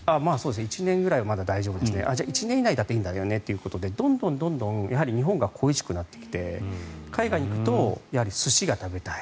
１年ぐらいはまだ大丈夫ですねじゃあ１年以内だったら大丈夫だねということでどんどん日本が恋しくなってきて海外に行くと寿司が食べたい。